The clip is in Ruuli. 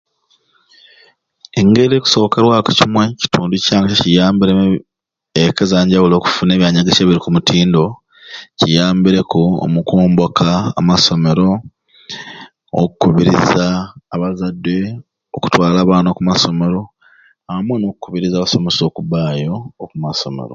Engeri ekusokerwaku kimwei ekitundu kyange jekiyambireemu ekka ezanjawulo okufuna ebyanyegesya ebiri okumutindo kiyambireku omukwomboka amasomero, okubiriza abazadde okutwala abaana okumasomero amwei nokubiriza abasomesa okubayo omumasomero.